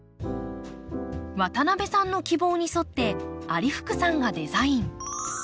渡邊さんの希望に沿って有福さんがデザイン。